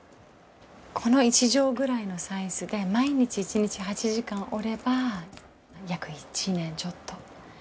この１畳くらいのサイズで毎日１日８時間織れば約１年ちょっと。